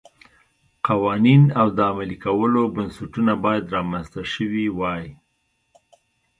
قوانین او د عملي کولو بنسټونه باید رامنځته شوي وای.